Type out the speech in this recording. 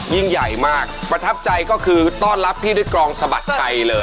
ยิ่งใหญ่มากประทับใจก็คือต้อนรับพี่ด้วยกรองสะบัดชัยเลย